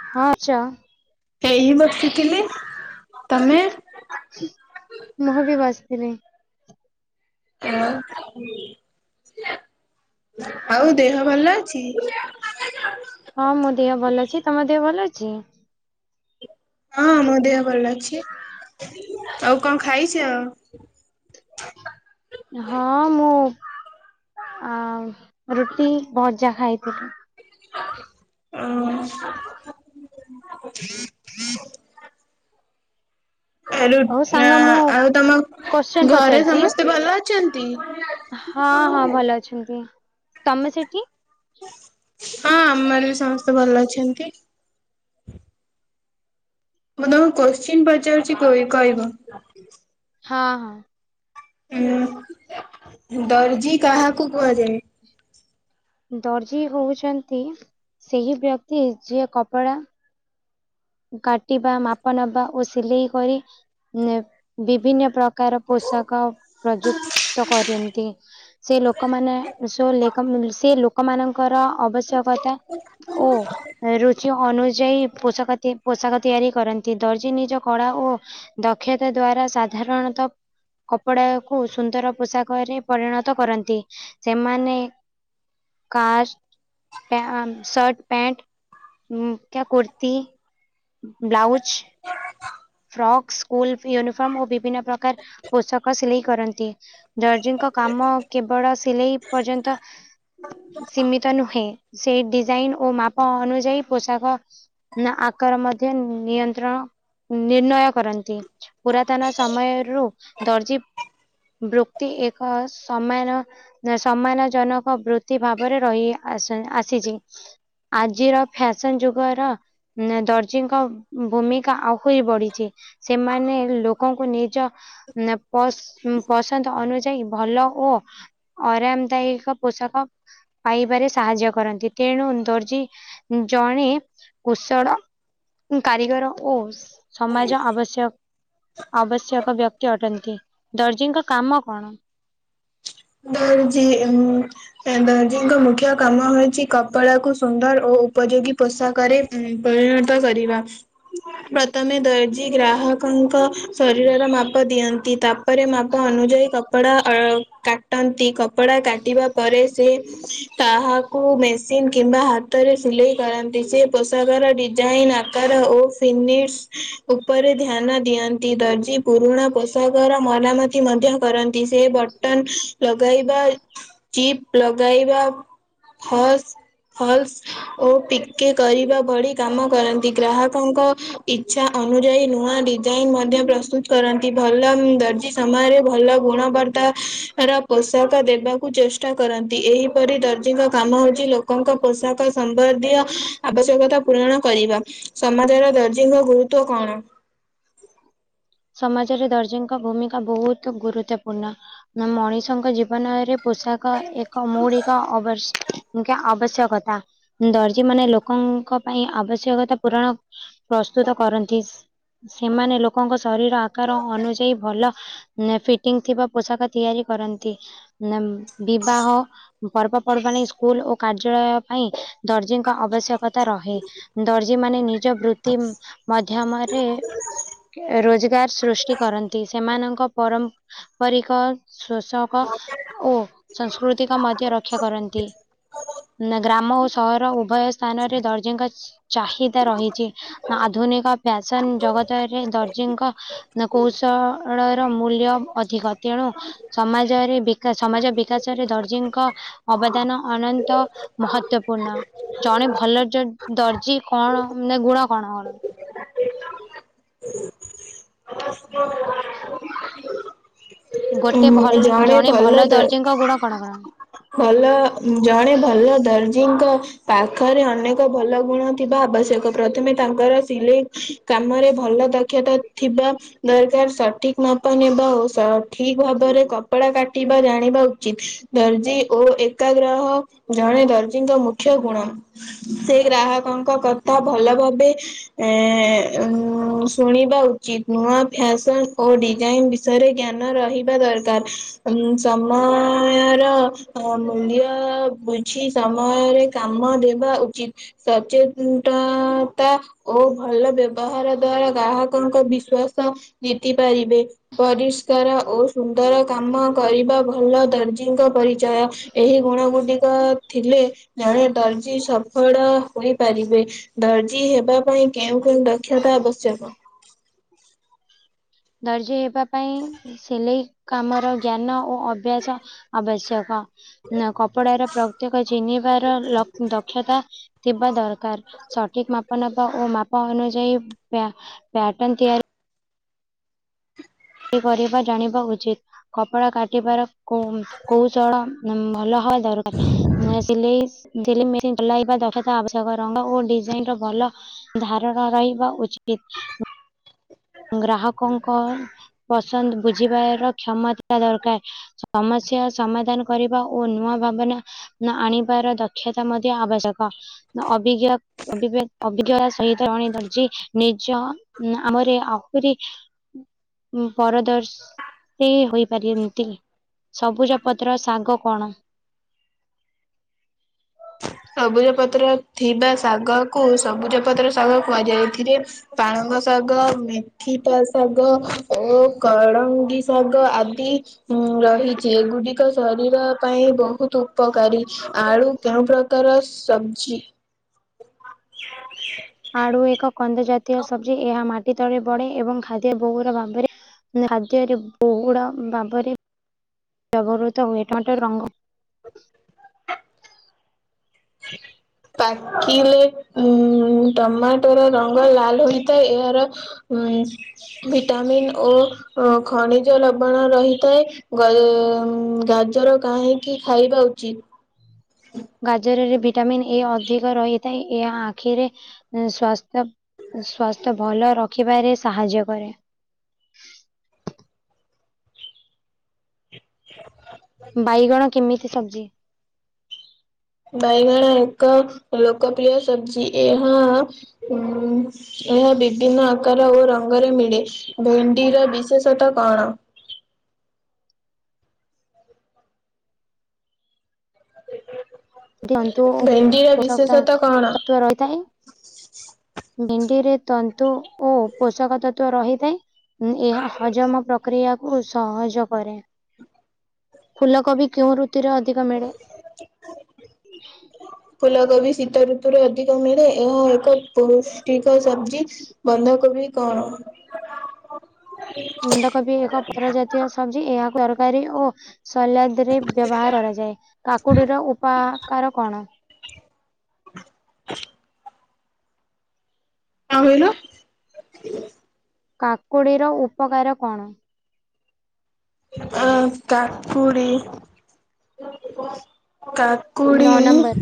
ହଁ, ଆଚ୍ଛା। ହେଇ ବସିଥିଲି। ତମେ? ମୁଁ ବି ବସିଥିନି। ଆଉ, ଆଉ ଦେହ ଭଲ ଅଛି? ହଁ, ମୋ ଦେହ ଭଲ ଅଛି। ତମ ଦେହ ଭଲ ଅଛି? ହଁ, ମୋ ଦେହ ଭଲ ଅଛି। ଆଉ କଣ ଖାଇଛ? ହଁ ମୁଁ, ଅ ରୁଟି, ଭଜା ଖାଇଥିଲି। ଓ ଆ ହଉ ରୁଟ ସାଙ୍ଗ ମୁଁ ଆଉ ତମ କୋଶ୍ଚେନ୍ ଘରେ ପଚାରୁଛି ସମସ୍ତେ ଭଲ ଅଛନ୍ତି? ହଁ ହଁ ଣ ଭଲ ଅଛନ୍ତି। ତମେ ସେଠି? ହଁ, ଆମ ଆଡେ ବି ସମସ୍ତେ ଭଲ ଅଛନ୍ତି। ମୁଁ ତମକୁ କୋଶ୍ଚିନ୍ ପଚାରୁଛି କହି-କହିବ? ହଁ, ହଁ। ଉମ୍ ଦର୍ଜି କାହାକୁ କୁହାଯାଏ? ଦର୍ଜି ହଉଛନ୍ତି ସେହି ବ୍ୟକ୍ତି, ଯିଏ କପଡ଼ା କାଟିବା, ମାପ ନବା ଓ ସିଲେଇ କରି ଉମ୍ ଏ ବିଭିନ୍ନ ପ୍ରକାର ପୋଷାକ ପ୍ରଯୁକ୍ତ କରନ୍ତି। ସେ ଲୋକମାନେ ଏ ସବୁ ଲେକ ସେ ଲୋକ ଲୋକମାନଙ୍କର ଆବଶ୍ୟକତା ଓ ରୁଚି ଅନୁଯାୟୀ ପୋଷକ ତି ପୋଷାକ ତିଆରି କରନ୍ତି। ଦର୍ଜ ନିଜ କଳା ଓ ଦକ୍ଷତା ଦ୍ଵାରା ସାଧାରଣତଃ କପଡାକୁ ସୁନ୍ଦର ପୋଷାକରେ ପରିଣତ କରନ୍ତି। ସେମାନେ କାସ୍ ପ୍ୟାଣ୍ଟ, ସାର୍ଟ, ପ୍ୟାଣ୍ଟ, ଉମ୍ କୁର୍ତି ବ୍ଲାଉଜ୍ ସିଆଡ଼େ ଯାଆ। ଫ୍ରକ୍, ସ୍କୁଲ୍ ଫି ୟୁନିଫର୍ମ ଓ ବିଭିନ୍ନ ପ୍ରକାର ପୋଷକ ସିଲେଇ କରନ୍ତି। ଦର୍ଜିଙ୍କ କାମ କେବଳ ସିଲେଇ ପର୍ଯ୍ୟନ୍ତ ସୀମିତ ନୁହେଁ ସେଇ ଡିଜାଇନ୍ ଓ ମାପ ଅନୁଯାୟୀ ପୋଷାକ ନା ଆକାର ମଧ୍ୟ ନିୟନ୍ତ୍ରଣ ନିର୍ଣ୍ଣୟ କରନ୍ତି ପୁରାତନ ସମୟରୁ ଦର୍ଜି ବୃକ୍ତି ଏକ ସମାନ ଯେ ସମ୍ମାନ ଜନକ ବୃତ୍ତି ଭାବରେ ରହି ଆସେ ଆସିଛି। ଆଜିର ଫ୍ୟାସନ୍ ଯୁଗର ଦର୍ଜିଙ୍କ ଭୂମିକା ଆଉ ହୋଇ ବଢ଼ିଛି ସେମାନେ ଲୋକଙ୍କୁ ନିଜ ନ ପସ୍ ପସନ୍ଦ ଅନୁଯାୟୀ ଭଲ ଓ ଅରାମଦାୟିକ ପୋଷାକ ପାଇବାରେ ସାହାଯ୍ୟ କରନ୍ତି ତେଣୁ ଦର୍ଜି ଜଣେ କୁଶଳ କାରିଗର ଓ ସମାଜ ଆବଶ୍ୟ ଆବଶ୍ୟକ ବ୍ୟକ୍ତି ଅଟନ୍ତି, ଦର୍ଜଙ୍କ କାମ କଣ? ଦର୍ଜୀ, ଉଁ ଏ ଦର୍ଜିଙ୍କ ମୁଖ୍ୟ କାମ ହେଉଛି କପଡ଼ାକୁ ସୁନ୍ଦର ଓ ଉପଯୋଗୀ ପୋଷାକରେ ଉଁ ପରିଣତ କରିବା। ପ୍ରଥମେ ଦର୍ଜି ଗ୍ରାହକଙ୍କ ଶରୀରର ମାପ ଦିଅନ୍ତି ତା ପରେ ମାପ ଅନୁଯାୟୀ କପଡା ଅ କା ଟନ୍ତି କପଡ଼ା କାଟିବା ପରେ ସେ ତାହାକୁ ମେସିନ୍ କିମ୍ବା ହାତରେ ସିଲେଇ କରନ୍ତି ସେ ପୋଷାକର ଡିଜାଇନ୍ ଆ କାର ଓ ସିନିଡ୍ସ୍ ଉପରେ ଧ୍ୟାନ ଦିଅନ୍ତି ଦର୍ଜି ପୁରୁଣା ପୋଷାକର ମରାମତି ମଧ୍ୟ କରନ୍ତି ସେ ବଟନ ଲଗାଇବା ଜିପ ଲଗାଇବା ଫଲ୍ସ ଫଲ୍ସ ଓ ପିକେ କରିବା ଭଳି କାମ କରନ୍ତି ଗ୍ରାହକଙ୍କ ଇଚ୍ଛା ଅନୁଯାୟୀ ନୂଆ ଡିଜାଇନ୍ ମଧ୍ୟ ପ୍ରସ୍ତୁତ କରନ୍ତି ଭଲ ଦର୍ଜି ସମୟରେ ଭଲ ଗୁଣବର୍ତ୍ତା ର ପୋଷାକ ଦେବାକୁ ଚେଷ୍ଟା କରନ୍ତି। ଏହିପରି ଦର୍ଜଙ୍କ କାମ ହଉଚି ଲୋକଙ୍କ ପୋଷାକ ସମ୍ବନ୍ଧୀୟ ଆବଶ୍ୟକତା ପୂରଣ କରିବା। ସମାଜରେ ଦରଜୀଙ୍କ ଗୁରୁତ୍ଵ କଣ? ସମାଜରେ ଦର୍ଜୀଙ୍କ ଭୂମିକା ବହୁତ ଗୁରୁତ୍ୱପୂର୍ଣ୍ଣ। ନାଁ ମଣିଷଙ୍କ ଜୀବନରେ ପୋଷାକ ଏକ ମୌଳିକ ଅବଶ୍ ଆବଶ୍ୟକତା। ଦର୍ଜୀମାନେ ଲୋକଙ୍କ ପାଇଁ ଆବଶ୍ୟକତା ପୂରଣ ପ୍ରସ୍ତୁତ କରନ୍ତି। ସେମାନେ ଲୋକଙ୍କ ସ୍ ଶରୀର ଆକାର ଅନୁଯାୟୀ ଭଲ ନେ ଫିଟିଂ ଥିବା ପୋଷାକ ତିଆରି କରନ୍ତି। ନା ବିବାହ ପର୍ବପର୍ବାଣୀ ସ୍କୁଲ୍ ଓ କାର୍ଯ୍ୟାଳୟ ପାଇଁ ଦର୍ଜୀଙ୍କ ଆବଶ୍ୟକତା ରହେ। ଦର୍ଜୀମାନେ ନିଜ ବୃତ୍ତି ମାଧ୍ୟମରେ ରୋଜଗାର ସୃଷ୍ଟି କରନ୍ତି ସେମାନଙ୍କ ପରମ୍ପରିକ ଶୋଷକ ଓ ସଂସ୍କୃତିକ ମଧ୍ୟ ରକ୍ଷା କରନ୍ତି। ନା ଗ୍ରାମ ଓ ସହର ଉଭୟ ସ୍ଥାନରେ ଦର୍ଜୀଙ୍କ ଚାହିଦା ରହିଚି ଆଧୁନିକ ଫ୍ୟାସନ୍ ଜଗତରେ ଦର୍ ଜୀଙ୍କ ନା କୌଶଳର ମୂଲ୍ୟ ଅଧିକ ତେଣୁ ସମାଜରେ ବିକା ସମାଜ ବିକାଶରେ ଦର୍ଜୀଙ୍କ ଅବଦାନ ଅନନ୍ତ ମହତ୍ଵପୂର୍ଣ୍ଣ। ଜଣେ ଭଲ ଜ ଦର୍ଜି କଣ ମାନେ ଗୁଣ କଣ କଣ? ଗୋଟେ ଭଲ୍ ଜଣେ ଭଲ ଦର୍ଜିଙ୍କ ଗୁଣ କଣ କଣ? ଭଲ ଜଣେ ଭଲ ଦର୍ଜିଙ୍କ ପାଖରେ ଅନେକ ଭଲ ଗୁଣ ଥିବା ଆବଶ୍ୟକ ପ୍ରଥମେ ତାଙ୍କର ସିଲେଇ। କାମରେ ଭଲ ଦକ୍ଷତା ଥିବା ଦରକାର ସଠିକ ମାପ ନେବା ଓ ସଠିକ ଭାବରେ କପଡା କାଟିବା ଜାଣିବା ଉଚିତ। ଦର୍ଜି ଓ ଏକାଗ୍ରହ ଜଣେ ଦର୍ଜୀଙ୍କ ମୁଖ୍ୟ ଗୁଣ। ସେ ଗ୍ରାହକଙ୍କ କଥା ଭଲ ଭାବେ ଏ ଉ ଶୁଣିବା ଉଚିତ ନୂଆ ଫ୍ୟାସନ ଓ ଡିଜାଇନ ବି ଷରେ ଜ୍ଞାନ ରହିବା ଦରକାର ଉ ସମୟର ହଁ ମୂଲ୍ୟ ବୁଝି ସମୟରେ କାମ ଦେବା ଉଚିତ। ସଚେନନତା। ଓ ଭଲ ବ୍ୟବହାର ଦ୍ଵାରା ଗ୍ରାହକଙ୍କ ବିଶ୍ଵାସ ଜିତି ପାରିବେ। ପରିଷ୍କାର ଓ ସୁନ୍ଦର କାମ କରିବା ଭଲ ଦର୍ଜିଙ୍କ ପରିଚୟ। ଏହି ଗୁଣ ଗୁଡିକ ଥିଲେ ଜଣେ ଦର୍ଜି ସଫଳ ହୋଇପାରିବେ। ଦର୍ଜି ହେବା ପାଇଁ କେଉଁ କେଉଁ ଦକ୍ଷତା ଆବଶ୍ୟକ? ଦର୍ଜୀ ହେବା ପାଇଁ ସିଲେଇ କାମର ଜ୍ଞାନ ଓ ଅଭ୍ୟାସ ଆବଶ୍ୟକ। କପଡାର ପ୍ରତ୍ୟେକ ଚିହ୍ନିବାର ଲ ଦକ୍ଷତା। ଥିବା ଦରକାର ସଠିକ ମାପ ନବା ଓ ମାପ ଅନୁଯାୟୀ ପଟଣ ତିଆରି। କରିବା ଜାଣିବା ଉଚିତ କପଡ଼ା କାଟିବାର କୋଉଚଳ ଭଲ। ହ ଦରକାର ନୂଆ ସିଲେଇ ମେସିନ୍ଲାଇବା ଦକ୍ଷତା ଆବଶ୍ୟକ ରଙ୍ଗ ଓ ଡିଜାଇନ ର ଭଲ। ଧାରଣା ରହିବା ଉଚିତ। ଗ୍ରାହକଙ୍କ ପସନ୍ଦ ବୁଝିବାର କ୍ଷମତା ଦରକାର। ସମସ୍ୟା ସମାଧାନ କରିବା ଓ ନୂଆ ଭାବନା ଆଣିବାର ଦକ୍ଷତା ମଧ୍ୟ ଆବଶ୍ୟକ ଅଭିଜ୍ଞ ଅଭିଜ୍ଞତା ସହିତ ଜଣେ ଧର୍ଜି ନିଜ ଆମରେ। ପପରି ପରଦର୍ଶ। ସେ ହୋଇପାରନ୍ତି ସବୁଜପତ୍ର ଶାଗ କଣ? ସବୁଜ ପତ୍ର ଥିବା ଶାଗ କୁ ସବୁଜ ପତ୍ର ଶାଗ କୁହାଯାଏ ଏଥରେ ପାଳଙ୍ଗ ଶାଗ ମେଥିପ ଶାଗ ଓ କଳଙ୍ଗୀ ଶାଗ ଆଦି ରହିଛି ଏଗୁଡିକ ଶରୀର ପାଇଁ ବହୁତ ଉପକାରୀ। ଆଳୁ କେଉଁ ପ୍ରକାର ସବଜି? ଆଳୁ ଏକ କନ୍ଦ ଜାତୀୟ ସବଜି ଏହା ମାଟି ତଳେ ବଢେ ଏବଂ ଖାଦ୍ୟ ବୋଉର ଭାବରେ ଖାଦ୍ୟରେ ବୋହୁ ର ଭାବରେ ବ୍ୟବହୃତ ହୁଏ ଟମାଟାରୁ ରଙ୍ଗ। ଠିକ। ପାକିଲେ ଉ ଟମାଟୋର ରଙ୍ଗ ଲାଲ ହୋଇଥାଏ ଏହାର। ଉଁ ଭିଟାମିିନ ଓ ଖଣିଜ ଲବାଣ ରହିଥାଏ। ଗଲ ଗାଜର କାହିଁକି ଖାଇବା ଉଚିତ? ଗାଜରରେ ଭିଟାମିନ ଏ ଅଧିକ ରହିଥାଏ ଏହା ଆଖିରେ ସ୍ୱାସ୍ଥ୍ୟ ସ୍ଵାସ୍ଥ୍ୟ ଭଲ ରଖିବାରେ ସାହାଯ୍ୟ କରେ। ହ ବାଇଗଣ କେମିତି ସବଜି? ବାଇଗଣ ଏକ ଲୋକପ୍ରିୟ ସବଜି ଏହା ଉ ଏହା ବିଭିନ୍ନ ଆକାର ଓ ରଙ୍ଗରେ ମିଳେ। ଭେଣ୍ଡିର ବିଶେଷତା କଣ? ହ କ୍ଳାନ୍ତ ଓ ପୋଷାକତା କଣ? ତତ୍ତ୍ୱ ରହିଥାଏ। ଭେଣ୍ଡି ରେ ତନ୍ତୁ ଓ ପୋଷାକ ତତ୍ଵ ରହିଥାଏ। ଏହା ହଜମ ପ୍ରକ୍ରିୟା ସହଜ କରେ ଫୁଲକୋବି କେଉଁ ଋତୁରେ ଅଧିକ ମିଳେ? ହୁଁ ଫୁଲକୋବି ଶୀତ ଋତୁରେ ଅଧିକ ମିଳେ ଏହା ଏକ ପୌଷ୍ଟିକ ସବଜି। ବନ୍ଧା କୋବି କ ବନ୍ଧକୋବି ଏକ ପର ଜାତୀୟ ସବଜି ଏହାକୁ ତରକାରୀ ଓ ସଲାଦ ରେ ବ୍ୟବହାର କରାଯାଏ କାକୁଡିର ଉପକାର କଣ? [inaudible] [unintelligible] କାକୁଡ଼ିର ଉପକାର କ ଣ? ଆ କକୁଡି କା କୁଡ଼ି ନଅ ନମ୍ବର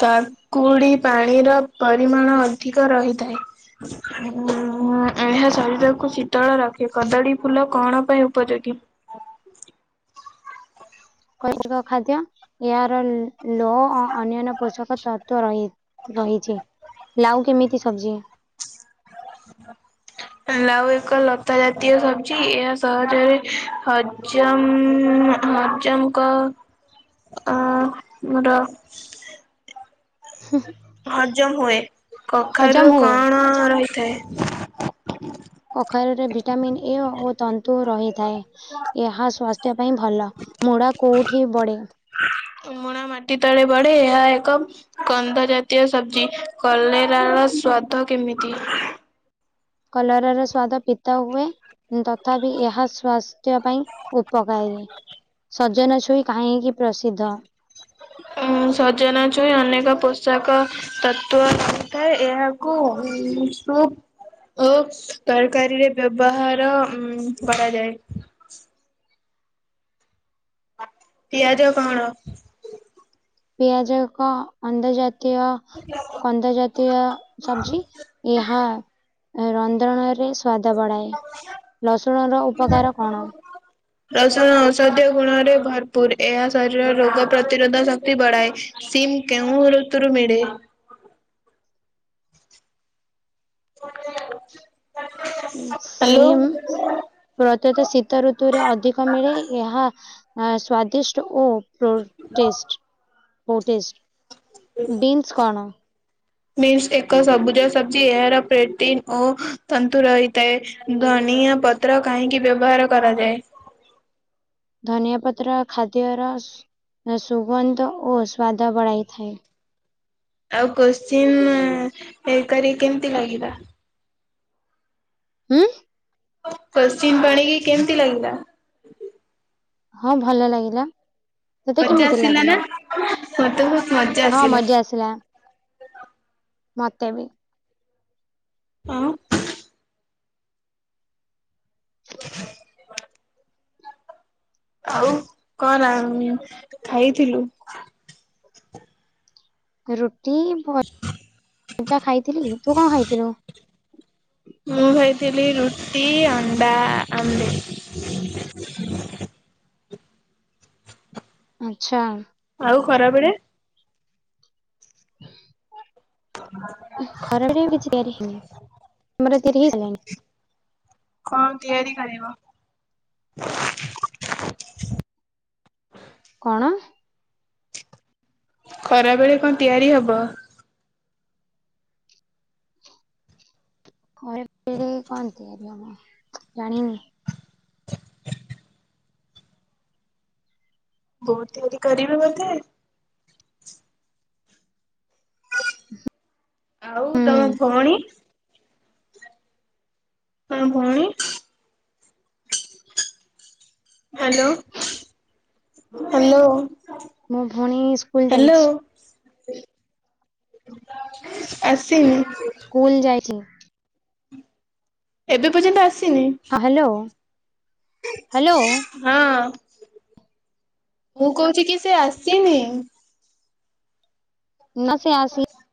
ତାକୁଡ଼ି ପାଣିର ପରିମାଣ ଅଧିକ ରହିଥାଏ। ଏହା ଶରୀରକୁ ଶୀତଳ ରଖେ। କଦଳୀ ଫୁଲ କଣ ପାଇଁ ଉପଯୋଗୀ? କୈଚକ ଖାଦ୍ୟ ଏହାର ଲୋହ ଓ ଅନ୍ୟାନ୍ୟ ପୋଷକ ତତ୍ଵ ରହି। ରହିଛି ଲାଉ କେମିତି ସବଜି? ଲାଉ ଏକ ଲତା ଜାତୀୟ ସବଜି ଏହା ସହଜରେ ହ ହଜମ ହଜମକ ଅ ମୋର ହୁ। ହଜମ ହୁଏ କଖାରୁ ହୁଏ କଣ ରହିଥାଏ? କଖାରୁରେ ଭିଟାମିନ୍ ଏ ଓ ତନ୍ତୁ ରହିଥାଏ। ଏହା ସ୍ୱାସ୍ଥ୍ୟ ପାଇଁ ଭଲ ମୁଢା କୋଉଠି ବଢେ। ମୁୁଣା ମାଟି ତଳେ ବଢେ ଏହା ଏକ କନ୍ଧ ଜାତୀୟ ସବଜି କଲେରାର ସ୍ଵାଦ କେମିତି? କଲରାର ସ୍ଵାଦ ପିତା ହୁଏ। ତଥାପି ଏହା ସ୍ୱାସ୍ଥ୍ୟ ପାଇଁ ଉପକାରୀ। ସଜନା ଛୁଇ କାହିଁକି ପ୍ରସିଦ୍ଧ? ଉ ସଜନା ଛୁଇଁ ଅନେକ ପୋଷାକ ତତ୍ଵ ରହିଥାଏ ଏହାକୁ ସୁପ ଓ ତରକାରୀରେ ବ୍ୟବହାର ଉ କରାଯାଏ। ପିଆଜ କଣ? ପିଆଜ କ ଅନ୍ଦଜାତୀୟ ଅନ୍ଦଜାତୀୟ ସବଜି ଏହା ରନ୍ଧଣରେ ସ୍ୱାଦ ବଢ଼ାଏ ରସୁଣ ର ଉପକାର କଣ? ର ଔଷଧୀୟ ଗୁଣରେ ଭରପୁର ଏହା ଶରୀର ରୋଗ ପ୍ରତିରୋଧ ଶକ୍ତି ବଢାଏ। ସିମ୍ କେଉ ଋତୁରେ ମିିଳେ? [unintelligible] ହ୍ୟାଲୋ। ସିମ୍ ପ୍ରତ୍ୟତଃ ଶୀତ ଋତୁରେ ଅଧିକ ମିଳେ ଏହା ସ୍ଵାଦିଷ୍ଟ ଓ ପ୍ରୋଟିଷ୍ଟ ପୋଟିଷ ବିନ୍ସ କଣ? ମିନ୍ସ ଏକ ସବୁଜ ସବଜି ଏହାର ପ୍ରୋଟିନ ଓ ତନ୍ତୁ ରହିଥାଏ। ଧନିଆ ପତ୍ର କାହିଁକି ବ୍ୟବହାର କରାଯାଏ? ଧନିଆ ପତ୍ର ଖାଦ୍ୟର ସୁଗନ୍ଧ ଓ ସ୍ଵାଦ ବଢାଇଥାଏ। ଆଉ କୋଶ୍ଚିିନ ହେଇ କରି କେମିତି ଲାଗିଲା? ହୁଁ କୋଶ୍ଚିନ୍ କରିକି କେମିତି ଲାଗିଲା? ହଁ ଭଲ ଲାଗିଲା। ତତେ ମଜା କେମିତି ଆସିଲା ଲାଗିଲା ନା? ମତେ ବହୁତ ମଜା ହଁ ଆସିଲା। ମଜା ଆସ ଲା ମତେ ବି [unintelligible] [inaudible] ଆଉ କଣ ଖାଇଥିଲୁ? ରୁଟି ଭ ଭଜା ଖାଇଥିଲି। ତୁ କଣ ଖାଇଥିଲୁ? ମୁଁ ଖାଇଥିଲି ରୁଟି ଅଣ୍ଡା ଆମ୍ଲେଟ। ଆଚ୍ଛା। ଆଉ ଖରାବେଳେ? ଖରାବେଳେ କିଛି ତିଆରି ହେଇନି ତମର ତିଆରି ହେଇସାରିଲାଣି? କଣ ତିଆରି କରିବ? କଣ? ଖରା ବେଳେ କଣ ତିଆରି ହବ? ହରେ [unintelligible] କଣ ତିଆରି ହବ ଜାଣିନି। ବୋଉ ତିଆରି କରିବେ ବୋଧେ? ହୁଁ। ଆଉ ତମ ଭଉଣୀ? ତମ ଭଉଣୀ? Hello hello. ମୁଁ ଭଉଣୀ ସ୍କୁଲ ହ୍ୟାଲୋ ଯାଇଛି। ଆସିନି? ସ୍କୁଲ ଯାଇଛି। ଏବେ ପର୍ଯ୍ୟନ୍ତ ଆସିନି? ହଁ ହ୍ୟାଲୋ ହ୍ୟାଲୋ। ହଁ ମୁଁ କହୁଛି କି ସେ ଆସିନି? ନ ସେ ଆସି